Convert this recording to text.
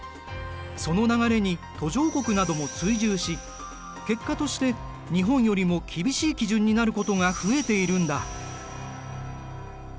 その流れに途上国なども追従し結果として日本よりも厳しい基準になることが増えているんだ。